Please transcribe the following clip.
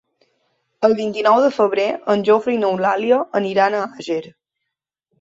El vint-i-nou de febrer en Jofre i n'Eulàlia aniran a Àger.